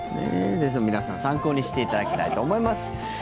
ぜひとも皆さん参考にしていただきたいと思います。